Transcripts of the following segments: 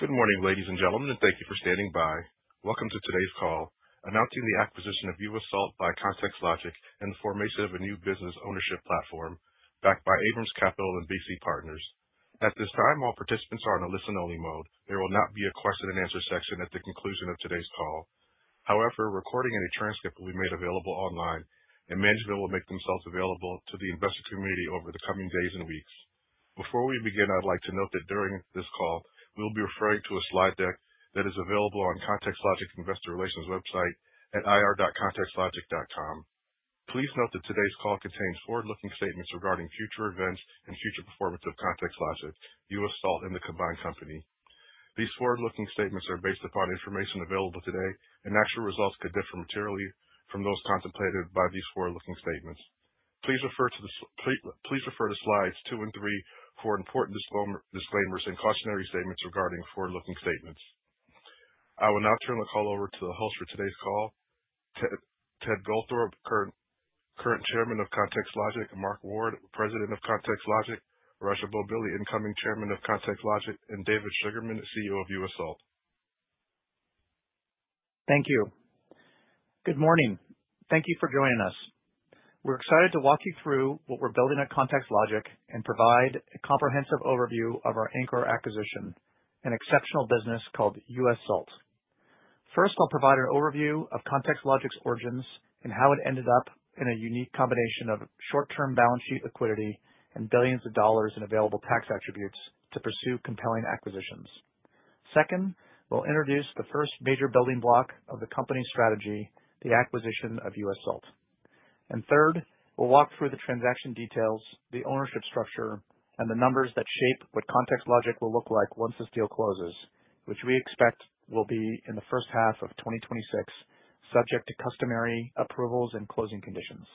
Good morning, ladies and gentlemen, and thank you for standing by. Welcome to today's call, announcing the acquisition of US Salt by ContextLogic and the formation of a new business ownership platform backed by Abrams Capital and BC Partners. At this time, all participants are in a listen-only mode. There will not be a question-and-answer section at the conclusion of today's call. However, recording and a transcript will be made available online, and management will make themselves available to the investor community over the coming days and weeks. Before we begin, I'd like to note that during this call, we will be referring to a slide deck that is available on ContextLogic Investor Relations website at ir.contextlogic.com. Please note that today's call contains forward-looking statements regarding future events and future performance of ContextLogic, US Salt, and the combined company. These forward-looking statements are based upon information available today, and actual results could differ materially from those contemplated by these forward-looking statements. Please refer to the slides two and three for important disclaimers and cautionary statements regarding forward-looking statements. I will now turn the call over to the host for today's call, Ted Goldthorpe, current chairman of ContextLogic; Marc Ward, president of ContextLogic; Raja Bobbili, incoming chairman of ContextLogic; and David Sugarman, CEO of US Salt. Thank you. Good morning. Thank you for joining us. We're excited to walk you through what we're building at ContextLogic and provide a comprehensive overview of our anchor acquisition, an exceptional business called US Salt. First, I'll provide an overview of ContextLogic's origins and how it ended up in a unique combination of short-term balance sheet liquidity and billions of dollars in available tax attributes to pursue compelling acquisitions. Second, we'll introduce the first major building block of the company's strategy, the acquisition of US Salt. And third, we'll walk through the transaction details, the ownership structure, and the numbers that shape what ContextLogic will look like once this deal closes, which we expect will be in the first half of 2026, subject to customary approvals and closing conditions.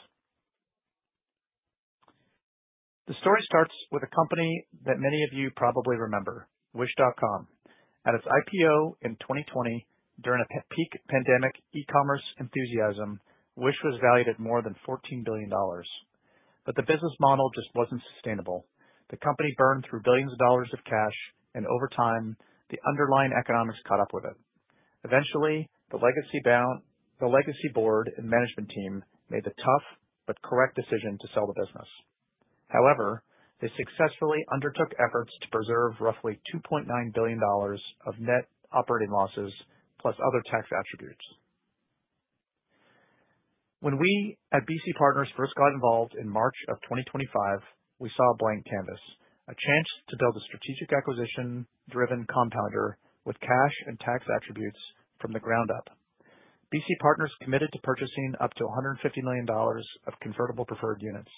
The story starts with a company that many of you probably remember, Wish.com. At its IPO in 2020, during a peak pandemic e-commerce enthusiasm, Wish was valued at more than $14 billion. But the business model just wasn't sustainable. The company burned through billions of dollars of cash, and over time, the underlying economics caught up with it. Eventually, the legacy board and management team made the tough but correct decision to sell the business. However, they successfully undertook efforts to preserve roughly $2.9 billion of net operating losses plus other tax attributes. When we at BC Partners first got involved in March of 2025, we saw a blank canvas, a chance to build a strategic acquisition-driven compounder with cash and tax attributes from the ground up. BC Partners committed to purchasing up to $150 million of convertible preferred units.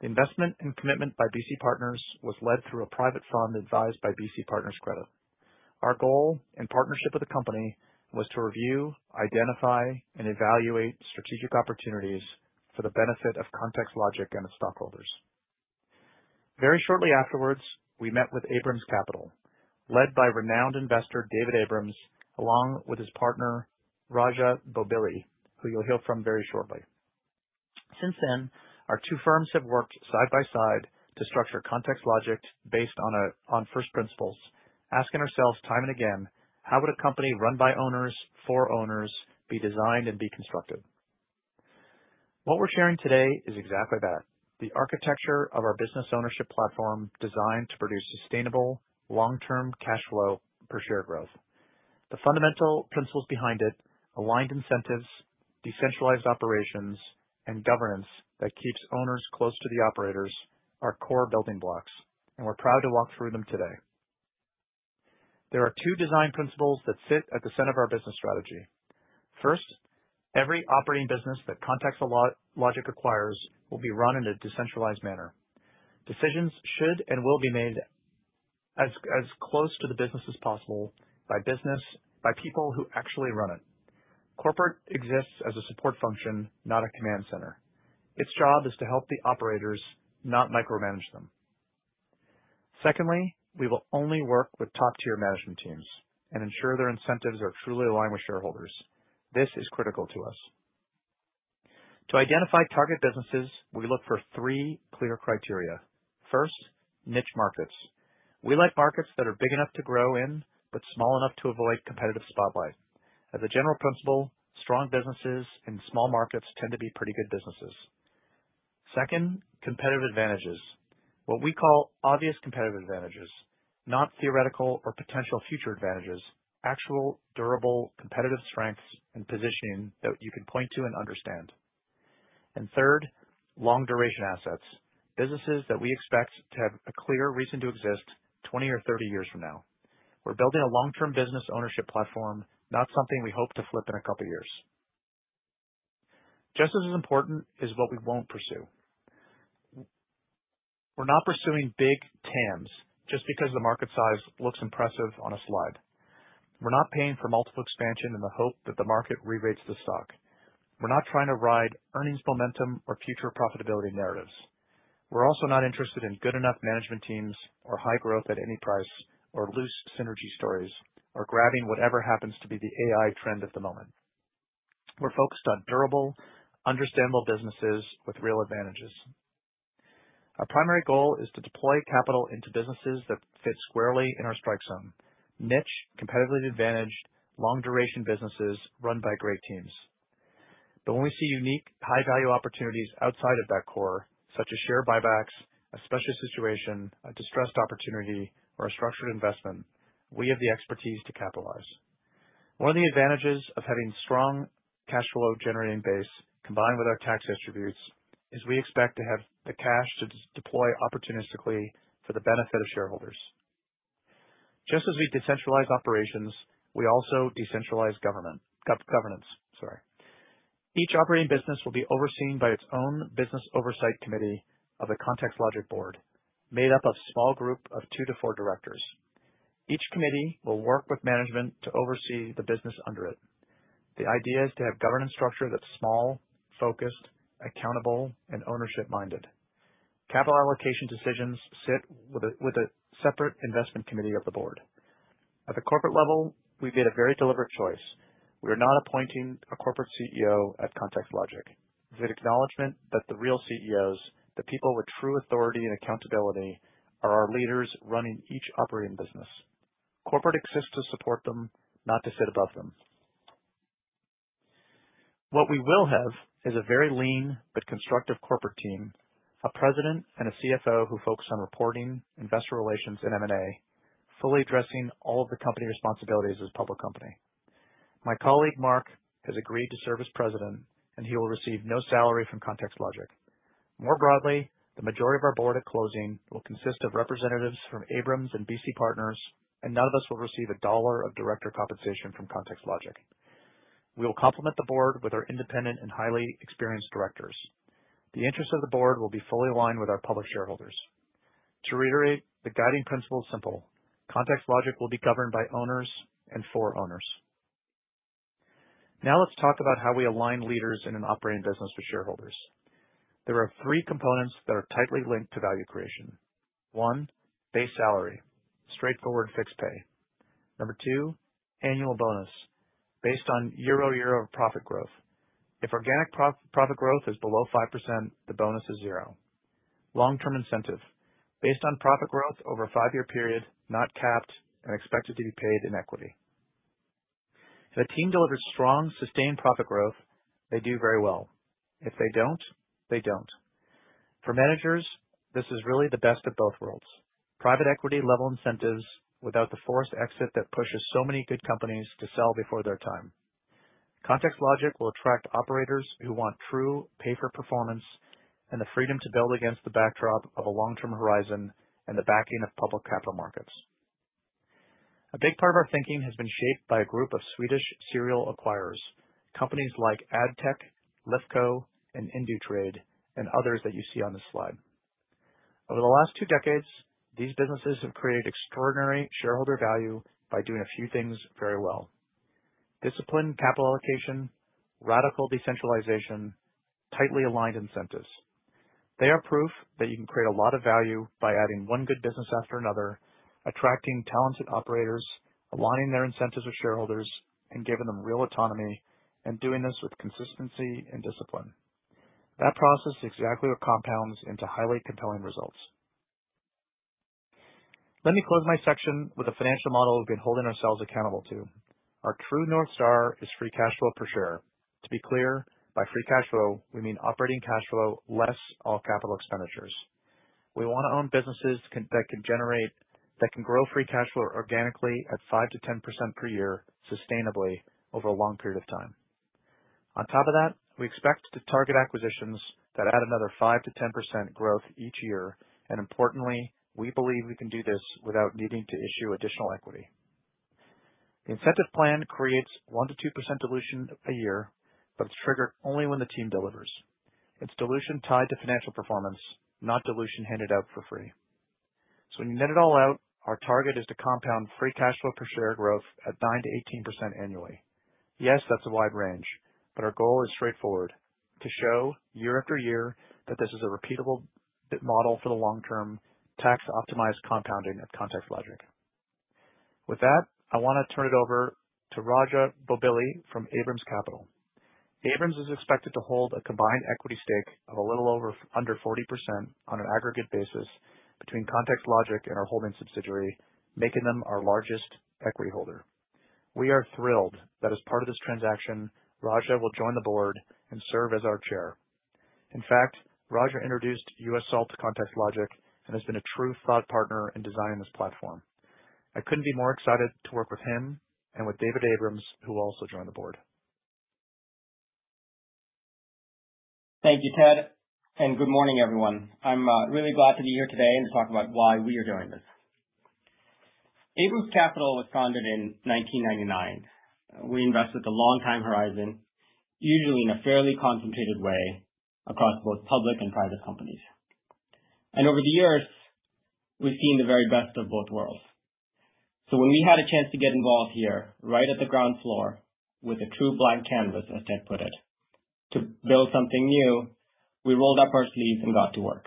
The investment and commitment by BC Partners was led through a private fund advised by BC Partners Credit. Our goal, in partnership with the company, was to review, identify, and evaluate strategic opportunities for the benefit of ContextLogic and its stockholders. Very shortly afterwards, we met with Abrams Capital, led by renowned investor David Abrams, along with his partner, Raja Bobbili, who you'll hear from very shortly. Since then, our two firms have worked side by side to structure ContextLogic based on first principles, asking ourselves time and again, how would a company run by owners, for owners, be designed and be constructed? What we're sharing today is exactly that: the architecture of our business ownership platform designed to produce sustainable, long-term cash flow per share growth. The fundamental principles behind it—aligned incentives, decentralized operations, and governance that keeps owners close to the operators—are core building blocks, and we're proud to walk through them today. There are two design principles that sit at the center of our business strategy. First, every operating business that ContextLogic acquires will be run in a decentralized manner. Decisions should and will be made as close to the business as possible by people who actually run it. Corporate exists as a support function, not a command center. Its job is to help the operators, not micromanage them. Secondly, we will only work with top-tier management teams and ensure their incentives are truly aligned with shareholders. This is critical to us. To identify target businesses, we look for three clear criteria. First, niche markets. We like markets that are big enough to grow in but small enough to avoid competitive spotlight. As a general principle, strong businesses in small markets tend to be pretty good businesses. Second, competitive advantages. What we call obvious competitive advantages, not theoretical or potential future advantages, actual durable competitive strengths and positioning that you can point to and understand. And third, long-duration assets, businesses that we expect to have a clear reason to exist 20 or 30 years from now. We're building a long-term business ownership platform, not something we hope to flip in a couple of years. Just as important is what we won't pursue. We're not pursuing big TAMs just because the market size looks impressive on a slide. We're not paying for multiple expansion in the hope that the market re-rates the stock. We're not trying to ride earnings momentum or future profitability narratives. We're also not interested in good enough management teams or high growth at any price or loose synergy stories or grabbing whatever happens to be the AI trend of the moment. We're focused on durable, understandable businesses with real advantages. Our primary goal is to deploy capital into businesses that fit squarely in our strike zone: niche, competitively advantaged, long-duration businesses run by great teams. But when we see unique, high-value opportunities outside of that core, such as share buybacks, a special situation, a distressed opportunity, or a structured investment, we have the expertise to capitalize. One of the advantages of having a strong cash flow generating base combined with our tax attributes is we expect to have the cash to deploy opportunistically for the benefit of shareholders. Just as we decentralize operations, we also decentralize governance. Each operating business will be overseen by its own business oversight committee of the ContextLogic board, made up of a small group of two to four directors. Each committee will work with management to oversee the business under it. The idea is to have a governance structure that's small, focused, accountable, and ownership-minded. Capital allocation decisions sit with a separate investment committee of the board. At the corporate level, we made a very deliberate choice. We are not appointing a corporate CEO at ContextLogic. It's an acknowledgment that the real CEOs, the people with true authority and accountability, are our leaders running each operating business. Corporate exists to support them, not to sit above them. What we will have is a very lean but constructive corporate team, a president, and a CFO who focus on reporting, investor relations, and M&A, fully addressing all of the company responsibilities as a public company. My colleague, Marc, has agreed to serve as president, and he will receive no salary from ContextLogic. More broadly, the majority of our board at closing will consist of representatives from Abrams and BC Partners, and none of us will receive a dollar of director compensation from ContextLogic. We will complement the board with our independent and highly experienced directors. The interests of the board will be fully aligned with our public shareholders. To reiterate, the guiding principle is simple: ContextLogic will be governed by owners and for owners. Now let's talk about how we align leaders in an operating business with shareholders. There are three components that are tightly linked to value creation. One, base salary, straightforward fixed pay. Number two, annual bonus, based on year-over-year profit growth. If organic profit growth is below 5%, the bonus is zero. Long-term incentive, based on profit growth over a five-year period, not capped and expected to be paid in equity. If a team delivers strong, sustained profit growth, they do very well. If they don't, they don't. For managers, this is really the best of both worlds: private equity-level incentives without the forced exit that pushes so many good companies to sell before their time. ContextLogic will attract operators who want true pay-for-performance and the freedom to build against the backdrop of a long-term horizon and the backing of public capital markets. A big part of our thinking has been shaped by a group of Swedish serial acquirers, companies like Addtech, Lifco, and Indutrade, and others that you see on this slide. Over the last two decades, these businesses have created extraordinary shareholder value by doing a few things very well: disciplined capital allocation, radical decentralization, tightly aligned incentives. They are proof that you can create a lot of value by adding one good business after another, attracting talented operators, aligning their incentives with shareholders, and giving them real autonomy, and doing this with consistency and discipline. That process is exactly what compounds into highly compelling results. Let me close my section with a financial model we've been holding ourselves accountable to. Our true north star is free cash flow per share. To be clear, by free cash flow, we mean operating cash flow less all capital expenditures. We want to own businesses that can grow free cash flow organically at 5%-10% per year, sustainably over a long period of time. On top of that, we expect to target acquisitions that add another 5%-10% growth each year, and importantly, we believe we can do this without needing to issue additional equity. The incentive plan creates 1-2% dilution a year, but it's triggered only when the team delivers. It's dilution tied to financial performance, not dilution handed out for free. So when you net it all out, our target is to compound free cash flow per share growth at 9-18% annually. Yes, that's a wide range, but our goal is straightforward: to show year after year that this is a repeatable model for the long-term, tax-optimized compounding of ContextLogic. With that, I want to turn it over to Raja Bobbili from Abrams Capital. Abrams is expected to hold a combined equity stake of a little under 40% on an aggregate basis between ContextLogic and our holding subsidiary, making them our largest equity holder. We are thrilled that as part of this transaction; Raja will join the board and serve as our chair. In fact, Raja introduced US Salt to ContextLogic and has been a true thought partner in designing this platform. I couldn't be more excited to work with him and with David Abrams, who will also join the board. Thank you, Ted, and good morning, everyone. I'm really glad to be here today and to talk about why we are doing this. Abrams Capital was founded in 1999. We invest with a long-time horizon, usually in a fairly concentrated way across both public and private companies, and over the years, we've seen the very best of both worlds, so when we had a chance to get involved here, right at the ground floor with a true blank canvas, as Ted put it, to build something new, we rolled up our sleeves and got to work.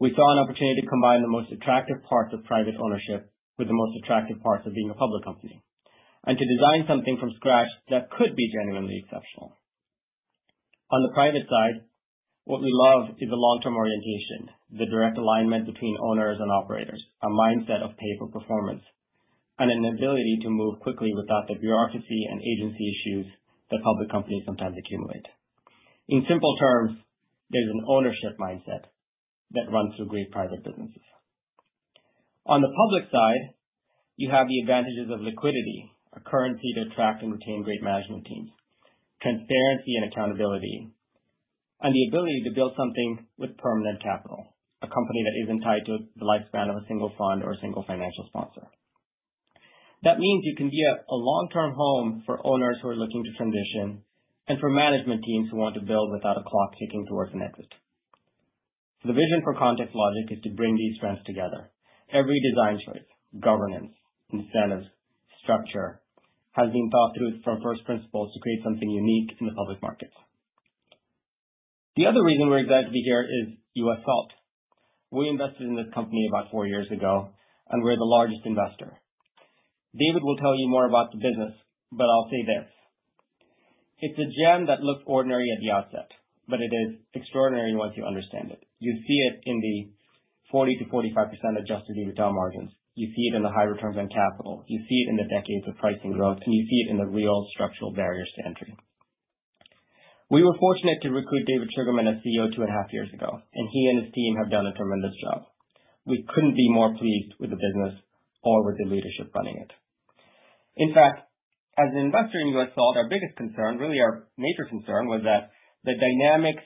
We saw an opportunity to combine the most attractive parts of private ownership with the most attractive parts of being a public company and to design something from scratch that could be genuinely exceptional. On the private side, what we love is the long-term orientation, the direct alignment between owners and operators, a mindset of pay-for-performance, and an ability to move quickly without the bureaucracy and agency issues that public companies sometimes accumulate. In simple terms, there's an ownership mindset that runs through great private businesses. On the public side, you have the advantages of liquidity, a currency to attract and retain great management teams, transparency and accountability, and the ability to build something with permanent capital, a company that isn't tied to the lifespan of a single fund or a single financial sponsor. That means you can be a long-term home for owners who are looking to transition and for management teams who want to build without a clock ticking towards an exit. The vision for ContextLogic is to bring these strengths together. Every design choice, governance, incentives, structure has been thought through from first principles to create something unique in the public markets. The other reason we're excited to be here is US Salt. We invested in this company about four years ago, and we're the largest investor. David will tell you more about the business, but I'll say this: it's a gem that looks ordinary at the outset, but it is extraordinary once you understand it. You see it in the 40%-45% adjusted EBITDA margins. You see it in the high returns on capital. You see it in the decades of pricing growth, and you see it in the real structural barriers to entry. We were fortunate to recruit David Sugarman as CEO two and a half years ago, and he and his team have done a tremendous job. We couldn't be more pleased with the business or with the leadership running it. In fact, as an investor in US Salt, our biggest concern, really our major concern, was that the dynamics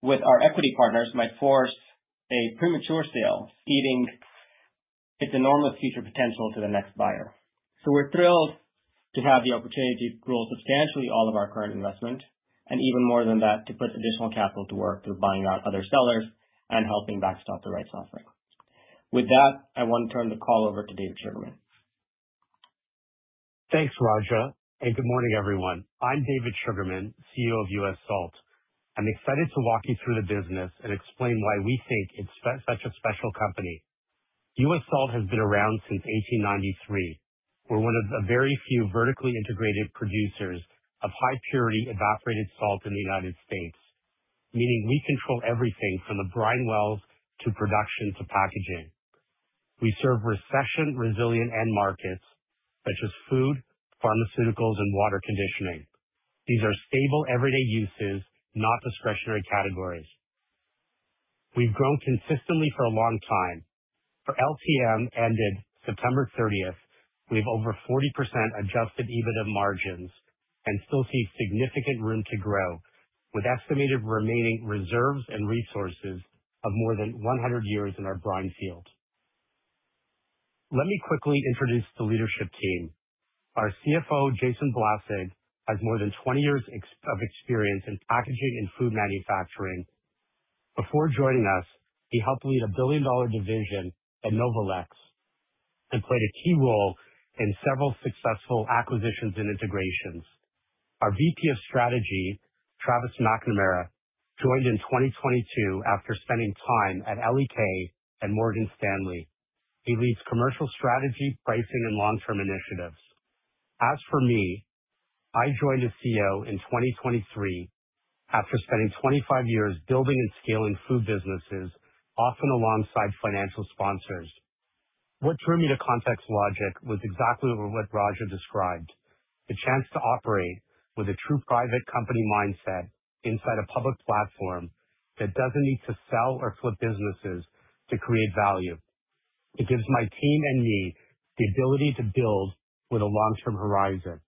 with our equity partners might force a premature sale, ceding its enormous future potential to the next buyer. So we're thrilled to have the opportunity to grow substantially all of our current investment and, even more than that, to put additional capital to work through buying out other sellers and helping backstop the rights offering. With that, I want to turn the call over to David Sugarman. Thanks, Raja, and good morning, everyone. I'm David Sugarman, CEO of US Salt. I'm excited to walk you through the business and explain why we think it's such a special company. US Salt has been around since 1893. We're one of the very few vertically integrated producers of high-purity evaporated salt in the United States, meaning we control everything from the brine wells to production to packaging. We serve recession-resilient end markets such as food, pharmaceuticals, and water conditioning. These are stable everyday uses, not discretionary categories. We've grown consistently for a long time. For LTM ended September 30th, we have over 40% adjusted EBITDA margins and still see significant room to grow, with estimated remaining reserves and resources of more than 100 years in our brine field. Let me quickly introduce the leadership team. Our CFO, Jason Blasig, has more than 20 years of experience in packaging and food manufacturing. Before joining us, he helped lead a billion-dollar division at Novolex and played a key role in several successful acquisitions and integrations. Our VP of Strategy, Travis McNamara, joined in 2022 after spending time at LEK and Morgan Stanley. He leads commercial strategy, pricing, and long-term initiatives. As for me, I joined as CEO in 2023 after spending 25 years building and scaling food businesses, often alongside financial sponsors. What drew me to ContextLogic was exactly what Raja had described: the chance to operate with a true private company mindset inside a public platform that doesn't need to sell or flip businesses to create value. It gives my team and me the ability to build with a long-term horizon,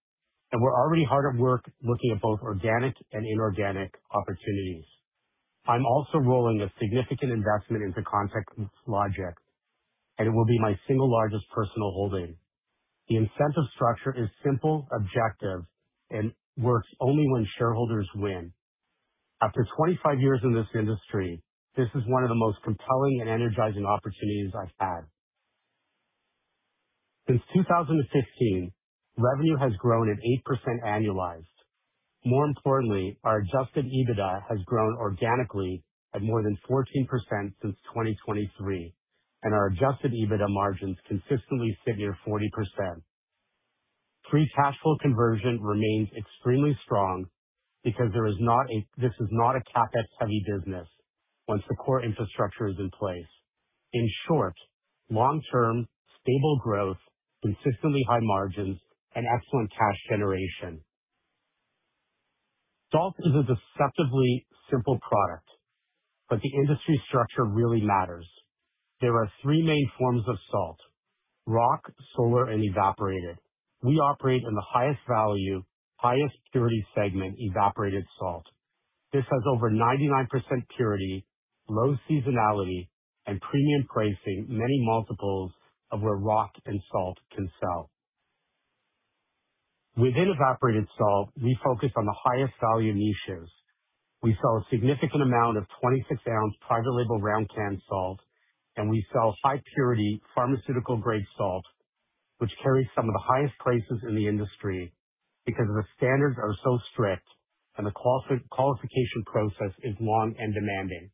and we're already hard at work looking at both organic and inorganic opportunities. I'm also rolling a significant investment into ContextLogic, and it will be my single largest personal holding. The incentive structure is simple, objective, and works only when shareholders win. After 25 years in this industry, this is one of the most compelling and energizing opportunities I've had. Since 2016, revenue has grown at 8% annualized. More importantly, our adjusted EBITDA has grown organically at more than 14% since 2023, and our adjusted EBITDA margins consistently sit near 40%. Free cash flow conversion remains extremely strong because this is not a CapEx-heavy business once the core infrastructure is in place. In short, long-term, stable growth, consistently high margins, and excellent cash generation. Salt is a deceptively simple product, but the industry structure really matters. There are three main forms of salt: rock, solar, and evaporated. We operate in the highest value, highest purity segment, evaporated salt. This has over 99% purity, low seasonality, and premium pricing, many multiples of where rock and salt can sell. Within evaporated salt, we focus on the highest value niches. We sell a significant amount of 26-ounce private label round can salt, and we sell high-purity pharmaceutical-grade salt, which carries some of the highest prices in the industry because the standards are so strict and the qualification process is long and demanding.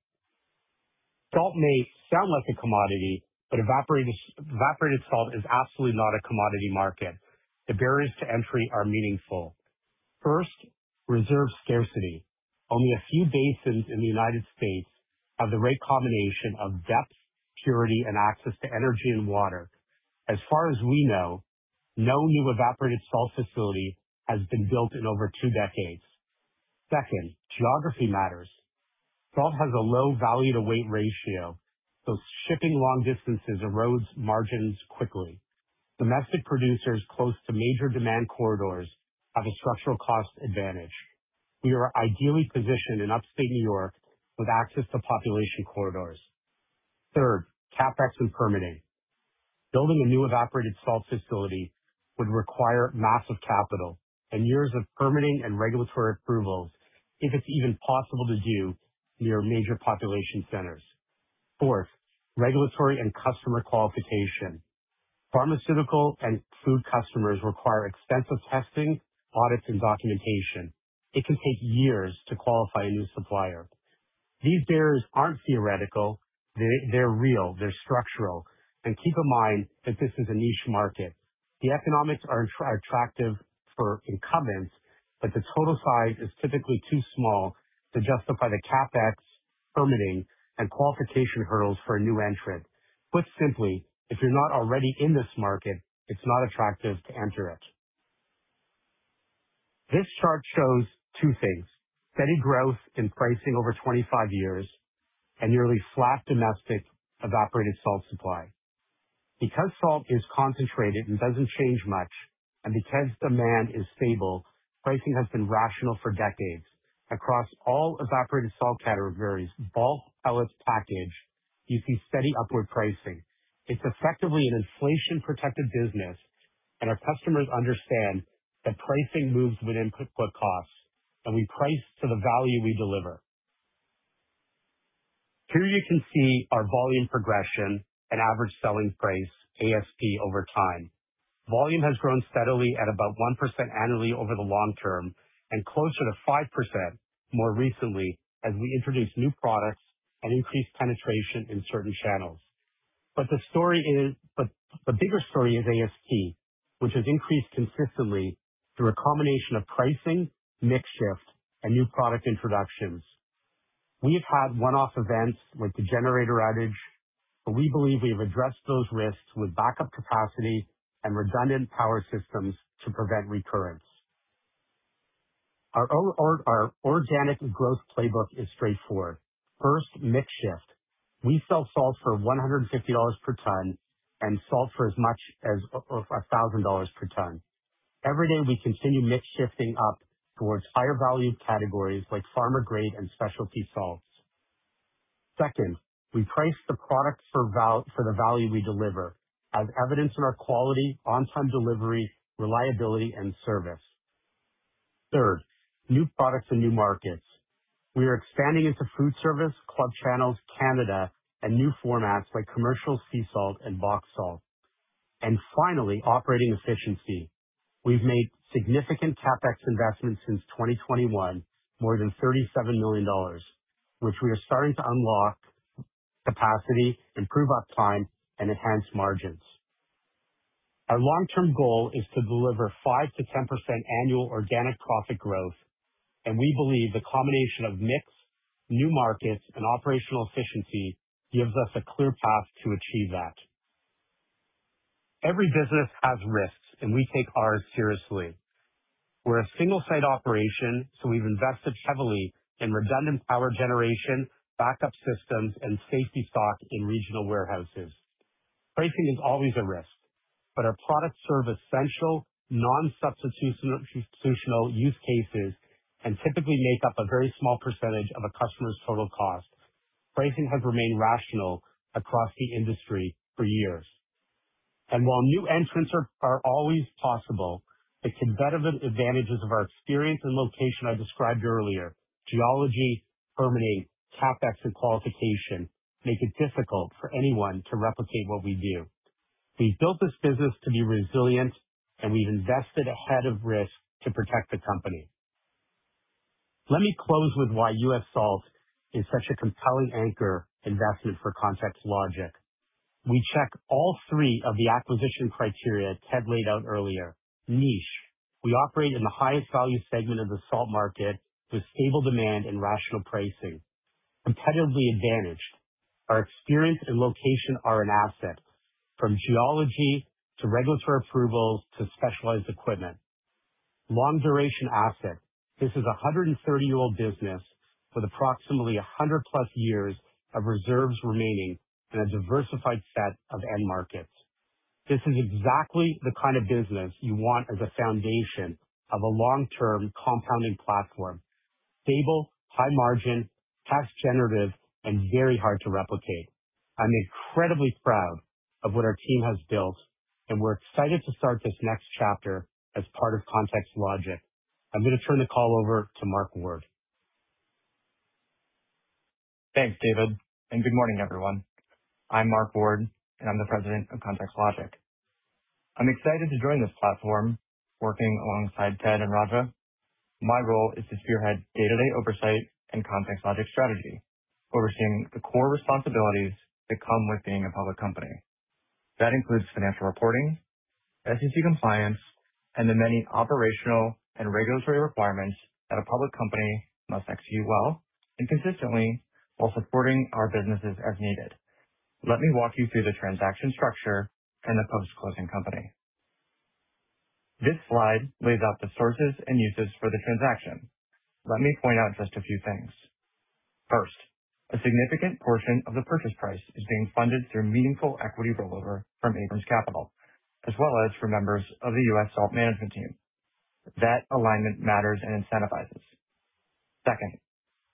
Salt may sound like a commodity, but evaporated salt is absolutely not a commodity market. The barriers to entry are meaningful. First, reserve scarcity. Only a few basins in the United States have the right combination of depth, purity, and access to energy and water. As far as we know, no new evaporated salt facility has been built in over two decades. Second, geography matters. Salt has a low value-to-weight ratio, so shipping long distances erodes margins quickly. Domestic producers close to major demand corridors have a structural cost advantage. We are ideally positioned in upstate New York with access to population corridors. Third, CapEx and permitting. Building a new evaporated salt facility would require massive capital and years of permitting and regulatory approvals, if it's even possible to do near major population centers. Fourth, regulatory and customer qualification. Pharmaceutical and food customers require extensive testing, audits, and documentation. It can take years to qualify a new supplier. These barriers aren't theoretical. They're real. They're structural. And keep in mind that this is a niche market. The economics are attractive for incumbents, but the total size is typically too small to justify the CapEx, permitting, and qualification hurdles for a new entrant. Put simply, if you're not already in this market, it's not attractive to enter it. This chart shows two things: steady growth in pricing over 25 years and nearly flat domestic evaporated salt supply. Because salt is concentrated and doesn't change much, and because demand is stable, pricing has been rational for decades. Across all evaporated salt categories—bulk, pellets, package, you see steady upward pricing. It's effectively an inflation-protected business, and our customers understand that pricing moves with input costs, and we price to the value we deliver. Here you can see our volume progression and average selling price, ASP, over time. Volume has grown steadily at about 1% annually over the long term and closer to 5% more recently as we introduced new products and increased penetration in certain channels. But the bigger story is ASP, which has increased consistently through a combination of pricing, mix shift, and new product introductions. We have had one-off events like the generator outage, but we believe we have addressed those risks with backup capacity and redundant power systems to prevent recurrence. Our organic growth playbook is straightforward. First, mix shift. We sell salt for $150 per ton and salt for as much as $1,000 per ton. Every day, we continue mix shifting up towards higher value categories like farmer-grade and specialty salts. Second, we price the product for the value we deliver, as evidenced in our quality, on-time delivery, reliability, and service. Third, new products and new markets. We are expanding into food service, club channels, Canada, and new formats like commercial sea salt and box salt. And finally, operating efficiency. We've made significant CapEx investments since 2021, more than $37 million, which we are starting to unlock capacity, improve uptime, and enhance margins. Our long-term goal is to deliver 5%-10% annual organic profit growth, and we believe the combination of mix, new markets, and operational efficiency gives us a clear path to achieve that. Every business has risks, and we take ours seriously. We're a single-site operation, so we've invested heavily in redundant power generation, backup systems, and safety stock in regional warehouses. Pricing is always a risk, but our products serve essential, non-substitutional use cases and typically make up a very small percentage of a customer's total cost. Pricing has remained rational across the industry for years. And while new entrants are always possible, the competitive advantages of our experience and location I described earlier (geology, permitting, CapEx, and qualification) make it difficult for anyone to replicate what we do. We've built this business to be resilient, and we've invested ahead of risk to protect the company. Let me close with why US Salt is such a compelling anchor investment for ContextLogic. We check all three of the acquisition criteria Ted laid out earlier. Niche. We operate in the highest-value segment of the salt market with stable demand and rational pricing. Competitively advantaged. Our experience and location are an asset, from geology to regulatory approvals to specialized equipment. Long-duration asset. This is a 130-year-old business with approximately 100-plus years of reserves remaining and a diversified set of end markets. This is exactly the kind of business you want as a foundation of a long-term compounding platform: stable, high-margin, tax-generative, and very hard to replicate. I'm incredibly proud of what our team has built, and we're excited to start this next chapter as part of ContextLogic. I'm going to turn the call over to Marc Ward. Thanks, David, and good morning, everyone. I'm Marc Ward, and I'm the President of ContextLogic. I'm excited to join this platform, working alongside Ted and Raja. My role is to spearhead day-to-day oversight and ContextLogic strategy, overseeing the core responsibilities that come with being a public company. That includes financial reporting, SEC compliance, and the many operational and regulatory requirements that a public company must execute well and consistently while supporting our businesses as needed. Let me walk you through the transaction structure and the post-closing company. This slide lays out the sources and uses for the transaction. Let me point out just a few things. First, a significant portion of the purchase price is being funded through meaningful equity rollover from Abrams Capital, as well as from members of the US Salt Management Team. That alignment matters and incentivizes. Second,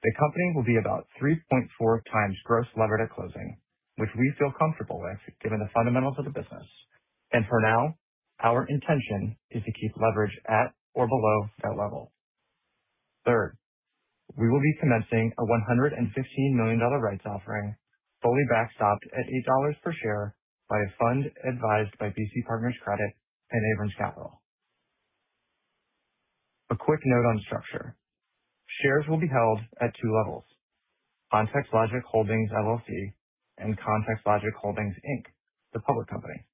the company will be about 3.4 times gross levered at closing, which we feel comfortable with given the fundamentals of the business. And for now, our intention is to keep leverage at or below that level. Third, we will be commencing a $115 million rights offering, fully backstopped at $8 per share by a fund advised by BC Partners Credit and Abrams Capital. A quick note on structure: shares will be held at two levels, ContextLogic Holdings, LLC, and ContextLogic Holdings, Inc., the public company.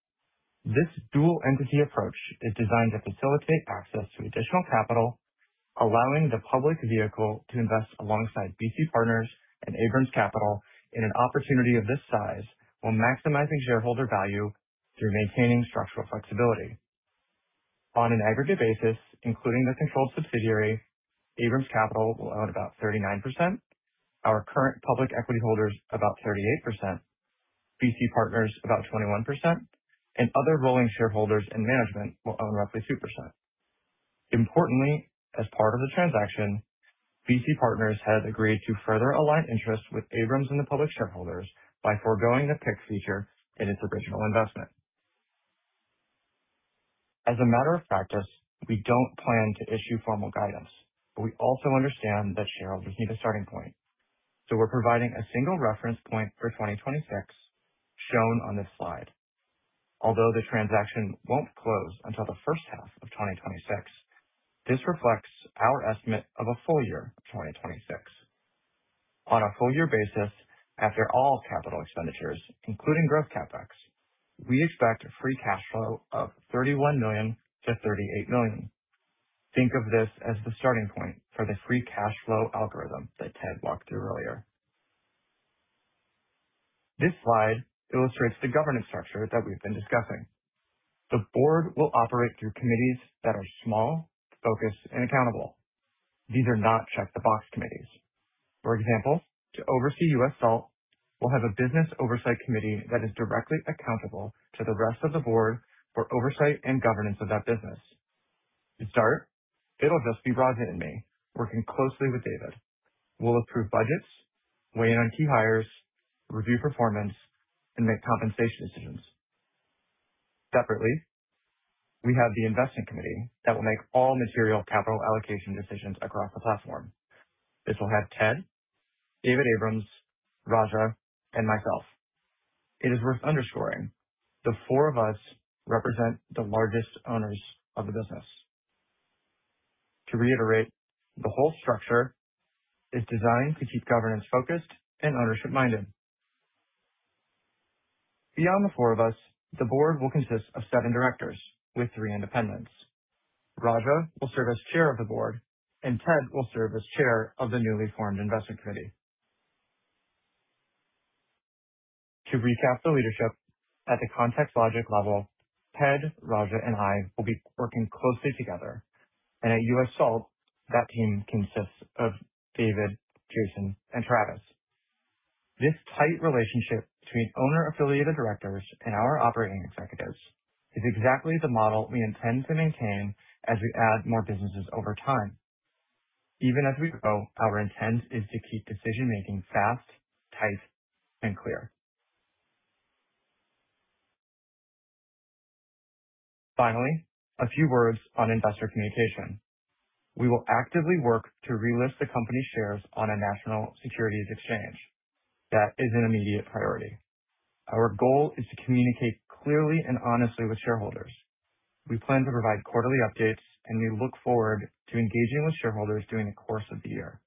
This dual entity approach is designed to facilitate access to additional capital, allowing the public vehicle to invest alongside BC Partners and Abrams Capital in an opportunity of this size while maximizing shareholder value through maintaining structural flexibility. On an aggregate basis, including the controlled subsidiary, Abrams Capital will own about 39%, our current public equity holders about 38%, BC Partners about 21%, and other rolling shareholders and management will own roughly 2%. Importantly, as part of the transaction, BC Partners has agreed to further align interests with Abrams and the public shareholders by foregoing the PIC feature in its original investment. As a matter of practice, we don't plan to issue formal guidance, but we also understand that shareholders need a starting point. So we're providing a single reference point for 2026, shown on this slide. Although the transaction won't close until the first half of 2026, this reflects our estimate of a full year of 2026. On a full-year basis, after all capital expenditures, including growth CapEx, we expect a free cash flow of $31 million-$38 million. Think of this as the starting point for the free cash flow algorithm that Ted walked through earlier. This slide illustrates the governance structure that we've been discussing. The board will operate through committees that are small, focused, and accountable. These are not check-the-box committees. For example, to oversee US Salt, we'll have a business oversight committee that is directly accountable to the rest of the board for oversight and governance of that business. To start, it'll just be Raja and me, working closely with David. We'll approve budgets, weigh in on key hires, review performance, and make compensation decisions. Separately, we have the investment committee that will make all material capital allocation decisions across the platform. This will have Ted, David Abrams, Raj, and myself. It is worth underscoring: the four of us represent the largest owners of the business. To reiterate, the whole structure is designed to keep governance focused and ownership-minded. Beyond the four of us, the board will consist of seven directors with three independents. Raja will serve as chair of the board, and Ted will serve as chair of the newly formed investment committee. To recap the leadership, at the ContextLogic level, Ted, Raja, and I will be working closely together, and at US Salt, that team consists of David, Jason, and Travis. This tight relationship between owner-affiliated directors and our operating executives is exactly the model we intend to maintain as we add more businesses over time. Even as we go, our intent is to keep decision-making fast, tight, and clear. Finally, a few words on investor communication. We will actively work to relist the company's shares on a national securities exchange. That is an immediate priority. Our goal is to communicate clearly and honestly with shareholders. We plan to provide quarterly updates, and we look forward to engaging with shareholders during the course of the year.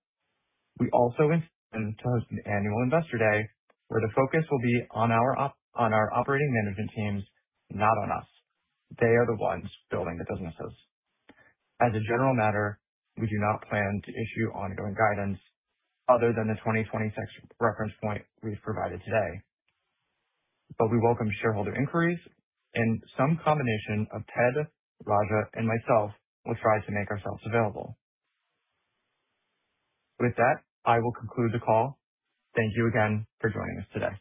We also intend to host an annual investor day where the focus will be on our operating management teams, not on us. They are the ones building the businesses. As a general matter, we do not plan to issue ongoing guidance other than the 2026 reference point we've provided today. But we welcome shareholder inquiries, and some combination of Ted, Raj, and myself will try to make ourselves available. With that, I will conclude the call. Thank you again for joining us today.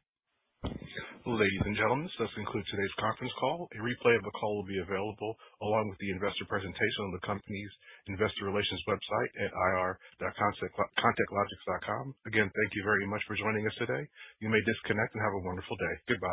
Ladies and gentlemen, this concludes today's conference call. A replay of the call will be available along with the investor presentation on the company's investor relations website at ir.contextlogic.com. Again, thank you very much for joining us today. You may disconnect and have a wonderful day. Goodbye.